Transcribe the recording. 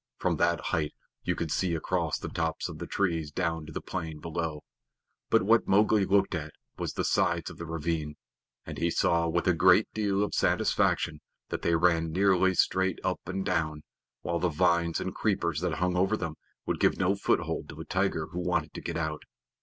From that height you could see across the tops of the trees down to the plain below; but what Mowgli looked at was the sides of the ravine, and he saw with a great deal of satisfaction that they ran nearly straight up and down, while the vines and creepers that hung over them would give no foothold to a tiger who wanted to get out.